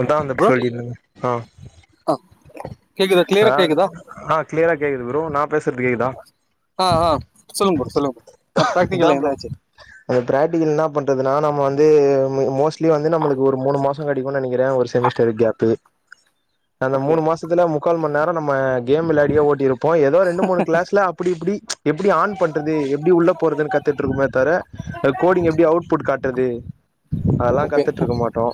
ான் வந்தப்படி ப்ரோ சொல்லியிருந்தேங்க ஆஹ் ஆ கேக்குதா கிளியரா ஹ கேக்குதா ஆஹ் கிளியரா கேக்குது ப்ரோ நான் பேசுறது கேக்குதான் ஆ ஆ சொல்லுங்க ப்ரோ சொல்லுங்க ப்ரோ பிராக்டிகல்ல ப்ரோ என்னாச்சு பிராக்டிகல் என்ன பண்றதுனா நம்ம வந்து மோஸ்ட்லி வந்து நம்மளுக்கு ஒரு மூணு மாசம் கிடைக்கும்னு நினைக்கிறேன் ஒரு செமிஸ்டரு கேப் ந ஓகே மூண மாச முக்கால் மணி நேம் கேம் விளாடிய ஓட்ட இருக்கும் இப்போ ஏதோ ரெண்டு மூணு கிளாஸ்ல அப்படி எப்படி எப்படி ஆன் பண்றது எப்படி உள்ள போறது கத்துட்டு இருக்குே தவிர கோடிங் எப்படி அவுட்பட் கா ட்டது அதெல்லாம் ஓகே கத்துட்டு இருக்க மாட்டோம்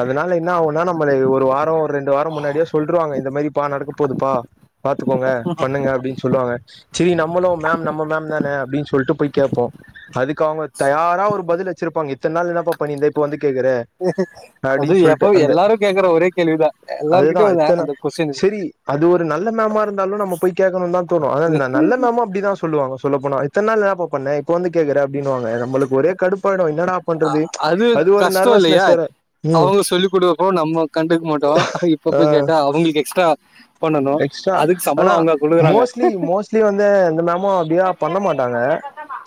அதனால என்ன ஆகும்னா நம்மள ஒரு வாரம் ஒரு ரெண்டு வாரம் முன்னாடியோ சொல்லிட்டு ாங்க இந்த மாதிரி பா நடக்க போகுது பா பாத்துக்கோங்க பண்ணுங்க அப்படின்னு சொல்லுவாங்க சரி நம்மளம் நம்ம மேம் தான அப்படின்னு சொல்ல சொல்ல கேட்போம் அதுக்கு அவங்க தயாரா ஒரு பதில் இருப்பாங்கத்த நாள் என்ன பண்ணந்தே இப்ப வந்து கேக்குற அது அப்டின்னு சொல்லிட்டு எப்ப அந்த எல்லாரோ கேக்குறே ஒரே கேள்விதான் எல்லார்கிட்டயும் வ சரி அது ஒரு நல்ல மேமா இருந்தாலும் நம்ம போய் கேட்கணும்னு தான் தோணோ இருக்கு ஆனா நல்ல மேமா அப்டிதான் சொல்லுவாங்க சொல்ல போன இத்தன நாள் நாபண்ண இப்ப வந்து கேக்குற ன்வாங்க நம்மளுக்கு ஒரே கடுப்பாயிடு என்னடா பண்றது அது ஒரு கஷ்டோ இல்லையா நர்வஸ்ஸ் வேற உ அவங்க சொல்லி் குடுக்கப்போ நம்ம கண்டுக்க மாட்டோ இப்ப போய் ஆஹ கேட்டா அவங்களுக்கு எக்ஸ்ட்ரா பண்ணணு எக்ஸ்ட்ரா அதுக்கு சம்பளோ ஆனா அவங்க குடுக்குறாங்க மோஸ்ட்லி மோஸ்ட்லி வந்து எந்த மேமோ அப்டிலா பண்ண மாட்டாங்க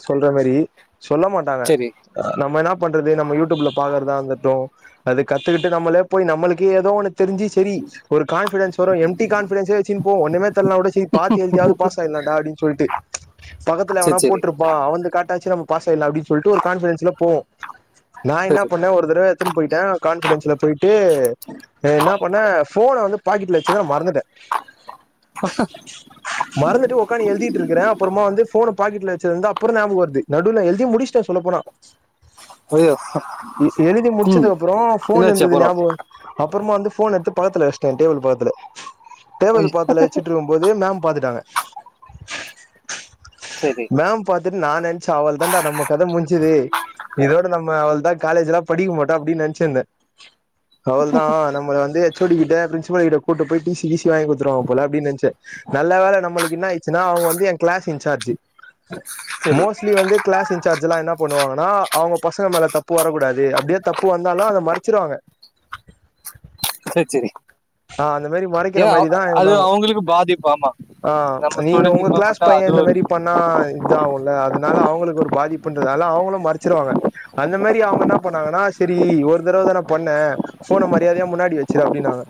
சொல்ற மாரி சொல்ல மாட்டாங்க செரி நம்ம என்ன பண்றது நம்ம யூடியூப்ல பாக்குறதா வந்துட்டோ அது கத்துக்கிட்டு நம்மளே போய் நம்மளுக்கே ஏதோ ஒன் தெரிஞ்சு செரி ஒரு கான்பிடன்ஸ் வரும் எம்டி டிகான்ஃபிடசியா போவோ ஒன்னுமே தெர்லனாகூட செரி பாத் எலுத்தியாவது பாஸ் ஆய்யல்லான்டா அப்படி சொல்ட்டு பக்கத்துல செரி எவனா செரி போட்டிருப்பா அவந்து காட்டச்சி பாஸ் ஆயிடலா அப்டின்னு சொல்லிட்டு ஒரு கான்பிடன்ஸ்ல போவோ நான் என்ன சரி பண்ணே ஒரு தடவயேத்துன்னு போயிட்டே கான்பிடன்ஸ்ல போயிட்டு என்ன பண்ண போன வந்து பாக்கெடல வச்சுதா மறந்து மறந்துட்டு உக்காந்து எலுதிட்டு இருக்கிறே அப்பறமா வந்து போன பாக்கெட்ல வச்சிருதுந்த அப்றோம ஞாபகவருது நடுவுல எழுதி முடிச்சட்டே சொல்ல போனா ஐயோ எழுதி முடிச்சது ம் அப்பறோ போன் என்னாச்சு இருந்தது அப்பறோ ஞாபக அப்பறமா வந்து போன் எடுத்து பக்கத்துல வெஷ்டன் டேபிள் பக்கத்துல ஐ தேவது பாத்துல வச்சுட்டுருக்கும் போதே மேம் பாத்துட்டாங்க செரி மேம் பாரத்துட்டு நான் நனச்சு ஆள் தான்டா நம்ம கதை முஞ்சுது இதோட நம்ம அவள் தான் காலேஜ் லா படிக்க மாட்டோ அப்படின்னு நினச்சிந்தேன் அவள்தான் நம்மள வந்து சொடிகிட்டே பிரின்சில் கிட்ட கூட்டு போய் டி டீசி வாங்கிடுத்துருவாங்க போல அப்டின்னு நெச்சன் நல்ல வேல நம்மளுக்கு என்ன ஆயிச்சுன்னா அவங்க வ என் கிளாசு இன்ச்சார்ஜீ செரி மோஸ்ட்லி வந்து கிளாஸ் இன்சார்ஜ் எல்லா என்ன பண்ணுவாங்கன்னா அவங்க பசங்க மேல தப்பு வரக்கூடாது அப்படியே தப்பு வந்தாலு அத மறச்சிடுவாங்க செரி செரி ஆஹ் அந்த மாரி மறைக் க்குர ஏன்னா மாரி அ- தான் எங்க அது மேமும் அவங்களுக்கு பாதிப்பு ஆமா நம்ம நீங்க ஸ்டூடெண்ட் உங்க இது மாதிரி கிளாஸ் பண்ணிட்டா அது பையன் இந்த ஒரு மாரி பண்ணா இதாவுன்ல அதனால அவங்களுக்கு ஒரு பாதிப்புன்றனால அவங்களொ மறச்சிடுவாங்க அந்தமேரி அவங்க நாபன்னாங்கனா சேரி ஒரு தடவதாண்ண பன்ன போன மரியாதைய முன்னாடி வச்சிடுனாங்க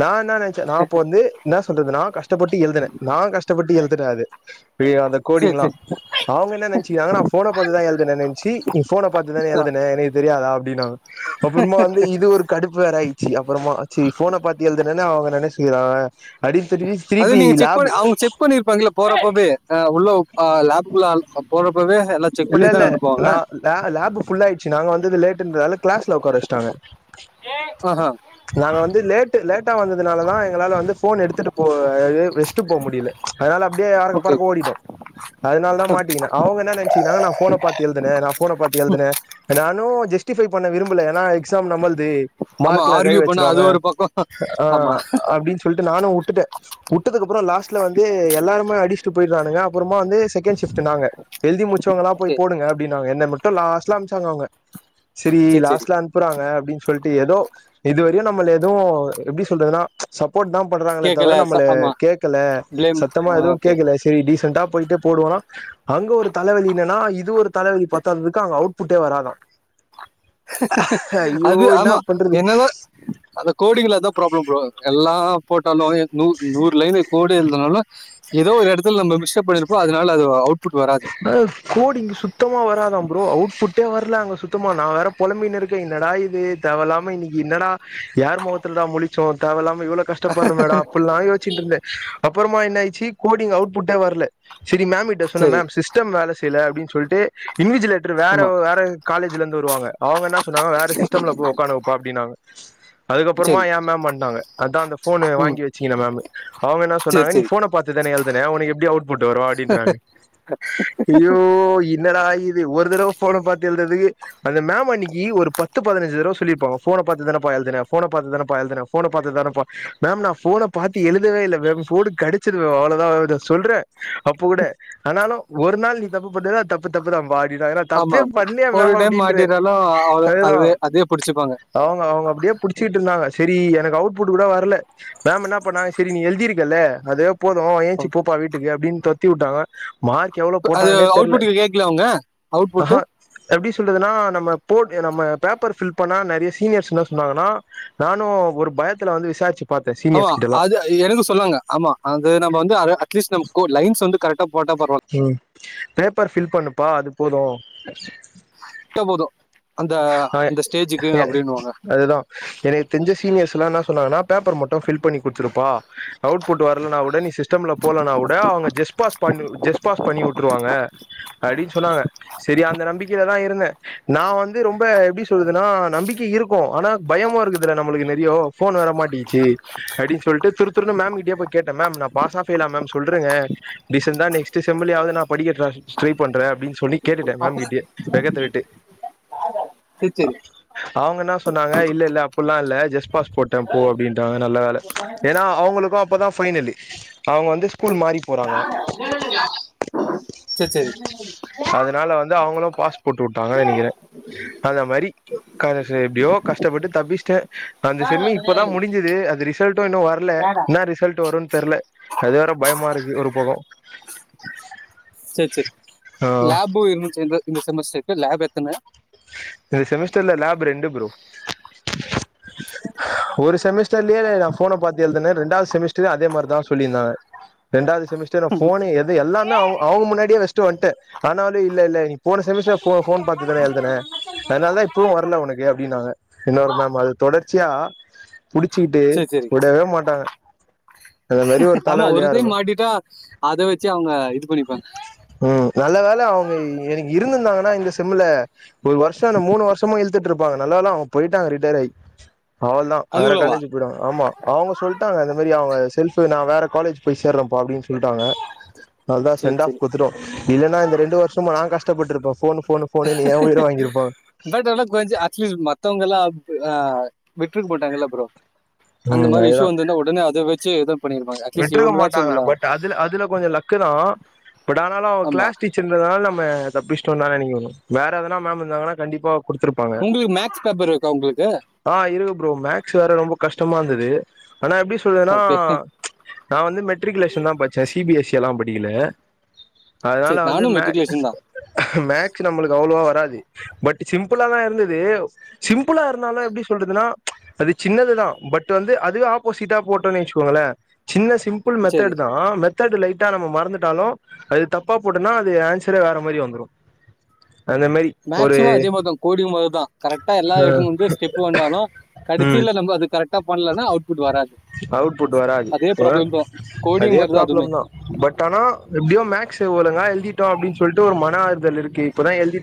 நா என்ன [inaudible] என் நா சொல்றது நான் கஷ்டப்பட்டு எழுதுனேன் நான் கஷ்டப்பட்டு எழுதுன அது அந்த சரி கோடிங்ளா சரி அவுங்க என்ன நினச்சிங்கனங்க போன பாத்து தா என்னச்சி போன பாத்துதே ஆ. எழுதுேன் என தெரியாதா அப்படின்ாங்க அப்புறமா வந்து இது ஒரு கடுப்பு வேற ஆயிச்சு அப்புறமா சரி போனை பாத்திது அவங்க நினைச்ச இருக்கிற அடி அது நீங்க செக் பண்ண அவங்க செக் பண்ணிருப்பாங்க போறப்போவேஹ் உள்ள ஆஹ் லேப்ள்ள போற இப்பவே எல்லாம் செக் பள்ளி தான அனுப்புவாங்க ஃபல் ஆடுச்சு நாங்க வந்து இது லேட்டுன்றதால கிளாஸ்ல உட்கார வச்சிட்டாங்க ஆஹா நாங்க வந்து லேட் லேட்டா வந்ததுனால தான் எங்களால் வந்து போன் எடுத்துட்டு போ வச்சிட்டு போக முடியல அதனால அப்படியே அறக்க ஓகே பறக்க ஓகே ஓடிட்டோ அதனால தான் மாட்டிகினே அவங்க என்ன நின கு கநான் போனை பாத்தி எழுதுேன் ந போனை பத்த்த்தி எழுதுனேன் நானும் ஜஸ்டிபை பண்ண விரும்பல ஏன்னா எக்ஸாம் நம்மழ்து ஆமா மார்க்க்ல கை ஆர்கியூ பண்ண அது வச்சிருவாங்க ஒரு பக்கம் ஆமா ஆஹ் அப்படின்னு சொல்லிட்டு நானும் வி விட்டதுக்கு அப்புறம் லாஸ்ல வந்து எல்லாருமே அடி ஸ்டு போய வானுங்கஅப்புறமா எழுதி மூச்சி வங்களல்லாம் ஓகே போய் போடுங்க அப்படின்னாங்க என்னை மட்டும் லாஸ்ட்லாம் அனுச்சாங்க அவங்க சரி லாஸ்ட்ல அனுப்புறாங்க அப்படின்னு சொல்லிட்டு ஏதோ இதுவரையும் நம்ம எதவும் எப்படி சொல்றதுனா போ் தான் பண்றாங்களே தவிர கேட்கல நம்ம ஆமா கேடக்கல ப்ளேம் சத்தமா எதுவும் ஓகே கேக்கல சரி டீசண்டா போயிட்டே போடுவா அங்க ஒரு தலைவலி என்னன்னா இது ஒரு தலைவலி பத்தாததுக்கு அங்க அவுட்புட்டே வராதும் அது ஆமா பண்றது என்னதான் அ கோடிங்லதான் ப்ராப்ளம் போ எல்லாம் போட்டாலும் நூ நூறு லைன் கோட எழுதுனாலும் ஏதோ ஒரு இடத்துல நம்ம மிஷ பண்ணிருப்போம் அதனால அது அவுட்புட் வராது ஆஹ கோடி இங்க சுத்தமா வராதா ப்ரோ அவுட்புட்டே வரல அங்க சுத்த மா நான் வேற புலம்பையன்ன இருக்க என்னடா இது தேவலாம இன்னைக்கு என்னடா யார் முகத்துலடா முடிச்சோம் தேவலாம எவ்வளோ கஷ்டப்படுற மேட அப்ப வச்சிட்டுந்தேன் அப்புறமா என்ன கோடிங் அவுட்புட வரல சரி மேம் சரி மேம் சிஸ்டம் வேலலை ச சில அப்படின்னு சொல்லிட்டு இன்விஜிலேட்டர் வேறு ஆமா வேறு காலேஜலருந்து வருவாங்க அவங்க என்ன சொன்னாங்க வேறு சிஸ்டமில் போ் உட்காு வைப்பா அப்படனாங்க அதுக்கப்புறமா சரி ஏன் மேம் பண்ணிட்டாங்க அதுதான் அந்த ஃபோனு ம் வாங்கி வச்சங்கே மேமு அவங்க என்ன சரி சொன்னாங்க நீ சரி ஃபோனை பார்த்து தானே எழுதுனன் உனக்கு எப்படி அவுட்ப புட் வரும் அப்படின்றாங்க இயோ இன்னட து ஒரு தடவை போனை எழு அம் அன்னைக்கு ஒரு பத்து பதின்சு தடவை சொிருாான் போனை எழுதவே க சொல்றேன் அப்ப கூட ஆனாலும் ஒரு நாள் தப்புான் தப்பு தப்பு தான் வாி ா ஆமா தப்பே பண்ணலிய ஒரு மேம் டைம் இ இத தப்பே பண்ணலயா மேம் அப்படனு மாட்டிட்டாலும் அவ்வளோ- அதுதான் அதுவே அதே பிடிச்சிப்பாங்க அவங்க அவங்க அப்படியே புடிச்சக்கிட்டு இருந்தாங்க சரி எனக்கு அவுட்பட் கூட வரல மேம் என்ன பண்ணாங்க சரி நீ எழுதி இருக்கல்ல அத போதும் ஏன்ச்சி போப்பா வீட்டுக்கு அப்படின்னு தொத்தி விட்டாங்க மார்க அது அவுட்பட கேடக்கல அவங்க அவுட்பட சொல்துனா நம்ம போ நம்ம பேப்பர் பில் பண்ண நிறைய சீனியர்ஸ் என்ன சொன்னாங்கன்னா நானும் ஒரு பயத்தில் வந்து விசாரிச்சு பாத்தே ஆமா சீனியர்ஸ் கிட்டல்லா அது எனக்கு சொல்லாங்க ஆமா அது நம்ம வந்து அட்லீஸ்ட் லைன்ஸ் வந்து கரெக் ம் பேப்பர் பபில் பண்ண ப்பா அது போதும் தோ போது ஆஹ் அதுதான் எனக்கு தெரிஞ்ச சீனியர்ஸ் எல்லாம்ன ஆனா பேப்பர் மாட்டும் பீல் பண்னி கொடுத்துருப்பான் அவுட் புட் வரனால் கூட நீ சிஸ்டம்ல போலனா கூட அவுங்க ஜிஸ்ட் பாஸ் பண்ணிவுட்டுவாங்க அப்டி சொன்னாங்க சரி அந்த நம்பிக்கைல இருந்தே நான் வந்து ரொம்ப ப்ப எப்படி சொல்லறதுன்னா நம்பிக்கை இருக்கும் ஆனா பயமா இருக்குதுல்ல நம்மளுக்கு நிறைய போோன் வர மாட்டிச்சு அப்படின்னு சொல்லிட்டு த த மேம் கிட்டே கேன் பாஸ் ஆல மே சொல்றேங்க டீசன்ட்டா நெக்ஸ் செம்லயாவது நான் படி பண்றேன் அப்படின்னு சொல்லி கேட்டுட்டேன் ஆ, மேம் கேட்டிய வெகத்து விட்டு இருத்தரி அவங்க என்ன சொன்னாங்க இல்ல இல்ல அப்பல்லாம் இல்ல ஜெஸ்பாஸ் போட்டேன் போ அப்படின்றாங்க நல்ல வேலை ஏன்னா அவங்களுக்கும் அப்பதான் பைனலி அவங்க வந்து ஸ்கூல் மாறி போறாங்க சரி சரி அவங்களும் பாஸ்போர்ட் விட்டாங்கு நினைக்கிறேன் அந்த மாதிரி க எப்படியோ கஷ்டப்பட்டு தப்பிச்சேன் அந்த செம்மி இப்பதான் முடிசது அந்த ரிசல்ட்டும் இன்னும் வரல என்ன ரிசல்ட் வரும் தெரில அது வேற பயமா இருக்கு ஒரு பகம் சரி சரி லாபும் இருந்துச்சு இந்த செமஸ்டர் லாப் எத்தனை இந்த செமிஸ்டர்ல லேப் ரெண்டு ப்ரோ ஒரு செமிஸ்டர்ரிலேயே போனை பாத்து எழுதினேன் இண்டாவது செமிஸ்டர் அதே மாதிரி தான் சொல்லியிருந்தாங்க ரெண்டாவது செஸ்ட போனு எது எல்லாமே அவங்க அவங்க முன்னாடியே வெஸ்ட வந்து ஆனாலும் இல்ல இல்ல நீ போன செமஸ்டர் போன் பாத்துதானே எழுன அதனால தான் இப்பவும் வரல உனக்கு அப்படின்னாங்க இன்னொரு மேம் அது தொடர்ச்சியா புடிச்சுக்கிட்டு சரி சரி உடவே மாட்டாங்க அந்த மாரி ஒரு ஆமா தலவலியா இருக்கு ஒருத்தையும் மாட்டிட்டா அதை வச்சு அவங்க இது பண்ணிப்பாங்க ம் நல்ல வேலை அவங்க எனக்கு இருந்திருந்தாங்கன்னா இந்தங்க செம்ல ஒரு வருஷம் மூணு வருஷமா இழுத்துட்டு இருப்பாங்க நல்ல வேலை அவங்க போயிட்டாங்க ரிட்டையர் ஆகி அவளதான் வேற அதுக்குள்ளவா காலேஜ் போயிடுவாங்க ஆமா அவங்க சொல்லிட்டு இந்த மாதிரி அவங்க செல்ப்பு நான் வேற காலேஜ் போய் சேர்றேன்ப்பா அப்படின்னு சொல்லிட்டாங்க அதனதான் சரி செண்ட் ஆஃப் சரி கொடுத்டுதோம் இலைன்னா இந்த ரெண் வருஷமா நான் கஷ்டப்பட்ருப்பேன் போன் பட் ஆனா கொஞ்சம் அட்லீஸ்ட் மத்தவங்க எல்லாம் ஆஹ் விட்டுட்டுரு போட்டாங்கல்ல ப்ரோ அந்த மாதிரி விஷயம் வந்துந்தன உடனே அதை வச்ச சரி விட்டுருக்க மாட்டாங்க பட் அதுல அதுல கொஞ்சம் லக்கு தான் பட் ஆனாலும் அவங்க ஆமா கிளாஸ் டீச்சர்யென்றதனாள தப்பிச்டோம்தான் நீங்க வேற எதன மேம் வந்தாங்கன்னா கண்டிப்பா குடுத்துருப்பாங்க உங்களுக்கு மேக்ஸ் பேப்பர் இருக்கா உங்களுக்கு அப்புறம் மேக்ஸ் வேற ரொம்ப கஷ்டமா இருந்தது ஆனா எப்படி சொல்றன்னா ஓகே நான் வந்து மெட்ரிகுலேஷன் தான் பச்சேன் சிபிஎஸ்இ எல்லாம் படிக்கல அதனால சரி வந்து நானும் மேக்ஸ் மெட்ரிகுலேஷன் தான் மேக்ஸ் நம்மளுக்கு அவ்வளவா ப் சிம்பிளா தான் இருந்தது சிம்பிளா இருந்தாலும் எப்படி சொல்றது அ சின்னதுதான் பட் வந்து அதே ஆப்போசிட்டா போட்ட சின்ன ச சிம்பிள் சரி மெத்தட் தான் லைட்டா நம்ம மறந்துட்டாலும் அது தப்பா போட்டோம்னா அது ஆன்சரே வேற மாதிரி வந்துரும் மேக்சிமம் அதேமாதிரிதான் கோடிங் மாதிரிதான் [unintelligible] தான் லும் ம் கடைசிய அவுட் புட் வராது அவுட்புட் வராது அதே ப்ராப்ளம் தான் கோடிங் அதே மாதிரி அதுவுமே ப்ராப்ளம் தான் பட் ஆனா எப்படியோ மேக்ஸ் ஓலங்க எழுதிிட்டம் அப்பின்னு சொல்லிட்டு ஒரு மன ஆறுதல் இருக்கு இப்பதான் எழுதி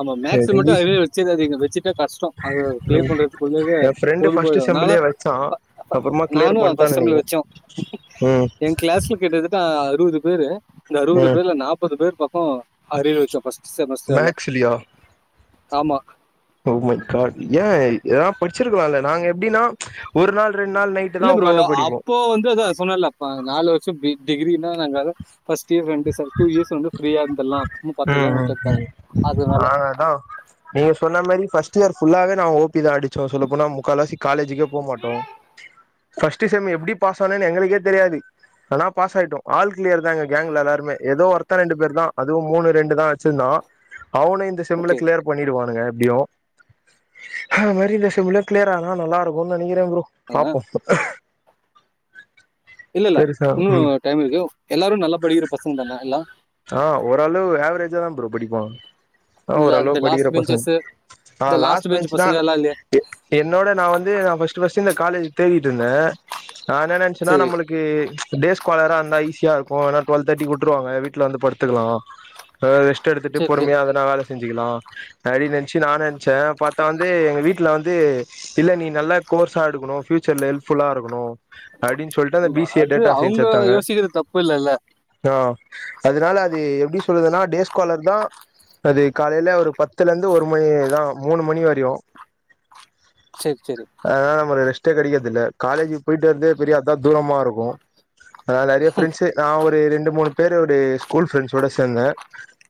ஆமா மேக்ஸ் மட்டு ரிலீஸ் அரியர் வச்சுறாதீங்க வச்சுட்டா கஷ்டோ அத கிளியர் பண்றதுக்குள்ளயே என் ஃப்ரெண்டு போது ஃபர்ஸ்ட் போயிடு செம்லயே வச்சோ அப்புறமா கிளியர் பண்ட்டோன்னு ஃபர்ஸ்ட் டைம்ல நெனைக்கிறே வச்சோம் உம் அ அறுபது பேரு இந்த அறுபது பேர்ல நாப்பது பேர் பக்கோ அரியர் வச்சோ ஃபர்ஸ்ட் செமஸ்டர்ல மேக்ஸிலியா ஆமா ஓ மை காட் ஏ எதனா படிச்சிருக்கலால்ல நாங்க எப்டின்னா ஒரு நாள் ரெண்டு நாள் நைட்டு தா இல்ல ப்ரோ உக்காந்து படிப்போ அப்போ வந்து அதா சொன்னல்ல ப நாலு வருஷோ பி டிகிரி அ நாங்க அது ஃபர்ஸ்ட் இயர் ரெண்டு ச டூ இயர்ஸ் வந்து ஃப்ரீயா இருந்தர்லா அப்றமா ம் பாத்துக்கலானு ம் விட்டதுதா ம் அதனால ட் இயர் ஃபுல்லாவே நா ஓபிதா அடிச்சோ சொல்லப்போனா முக்கால்வாசி காலேஜுக்கே போமாட்டோ ஃபர்ஸ்ட் செம் எப்டி பாஸ் ஆனோனு எங்களுக்கே தெரியாது ஆனா பாஸ் ஆயிட்டோ ஆல் கிளியர்தாங்க கேங்ல எல்லா ருமே ஏதோ ஒருத்தர் ரெண்டு பேர்தா அதும் மூணு ரெண்டுதா வச்சிருந்தோ அவனு இந்த செம்ல ஓகே கிளியர் பண்ணிடுவானுக எப்டியு அது மாரி இந்த செம்ல கிளியர் ஆனா நல்லா இருக்குன்னு நெனைக்றே ப்ரோ பாப்போ இல்ல இல்ல பெருசா இன்னு ம் டைம் இருக்கு எல்லாரு நல்லா படிக்கிற பசங்கதான எல்லா ஆஹ் ஓரளவு ஆவரேஜாதா ப்ரோ படிப்போ ஆ இல்ல இந்த ஓரளவு படிக்கிற லாஸ்ட் பசங்க பெஞ்சஸ் ஆனா இந்த லாஸ்ட் பெஞ்ச் பென்ச்னா பசங்க எல்லாம் இல்லையா எ என்னோட நா வந்து நா ஃபர்ஸ்ட் ஃபர்ஸ்ட் இந்த காலேஜ் தேடிட்டு இருந்தே நா என்ன நெனைச்சன்னா சரி நம்மளுக்கு டேஸ் காலரா இருந்தா ஈஸியா இருக்கு ஏன்னா டுவல் தேர்ட்டிக்கு விட்ருவாங்க வீட் ல வந்து படுத்துக்கலா கொஞ்சநேரோ ரெஸ்ட் எடுத்துட்டு சரி சரி பொறுமையா எதுனா வேல செஞ்சுக்கலா அப்டின் நென்ச்சு நா நென்ச்சே பாத்தா வந்து எங்க வீட்ல வந்து இல்ல நீ நல்ல கோர்ஸா எடுக்கணு ஃப்யூச்சர்ல ஹெல்ப்ஃபுல்லா இருக்கணு அப்டின்னு சொல்லிட்டு அந்த பி ஆமா சி ஏ அது டேட்டா சயின்ஸ் அவங்க எடுத்தாங்க யோசிக்கிறது தப்பு இல்லல்ல ஆ அதனால அது எப்டி சொல்றதுன்னா டேஸ்காலர்தா அது காலைல ஒரு பத்துல இருந்து ஒரு மணிதா மூணு மணி வரையு சரி சரி ஆஹ் நம்ம ரெஸ் ட்டே கெடைக்கறதில்ல காலேஜுக்கு போயிட்டு வர்தே பெரிய அதுதா தூரமா இருக்கு அதனால நெறைய ஃபிரண்ட்ஸ் நா ஒ ரு ரெண்டு மூணு பேருடைய ஸ்கூல் ஃப்ரெண்ட்ஸோட சேந்தே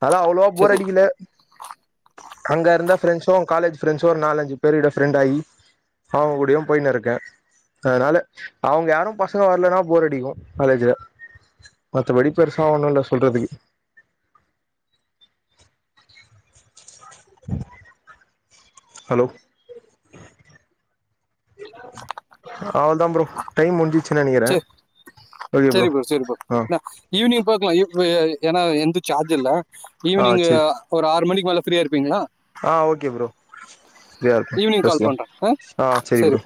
அதா அவ்ளோவா போர் சரி அடிக்கல அங்க இருந்தா ஃப்ரெண்ட்ஸோ காலேஜ் ஃப்ரெண்ட்ஸோ ஒரு நாலு அஞ்சு பேர்ட ஃரெண்ட் ஆகி அவங்ககூடயு போயினு இருக்கே அதனால அவங்க யாரும் பசங்க வரலைனா போர் அடிக்கு காலேஜ்ல மத்தபடி பெருசா ஒண்ணும் இல்ல சொல்றதுக்கு [inaudible] ஹலோ அவ்ளதான் ப்ரோ டைம் முடிஞ் சே சேரி சேரி ப்ரோ ஆ நான் ஈவனிங் பாக்கலாம் இப் ஏனா எந்து சார்ஜ் இல்ல ஈவினிங் ஒரு ஆறு மணிக் மேல ஃபிரியா இரு ஆஹ் ஓகே ப்ரோ ஃபிரியா இருப்பேன் ஈவினிங் கால் பேசலாம் பண்ணுறேன் ஆ ஆஹ் சரி ப்ரோ